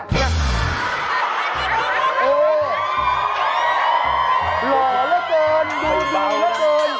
หล่อเกินดูดีเกิน